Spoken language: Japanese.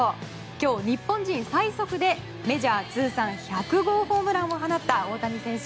今日、日本人最速でメジャー通算１００号ホームランを放った大谷選手。